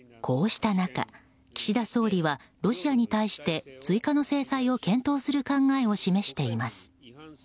こうした中、岸田総理はロシアに対して追加の制裁を検討する考えを示しています。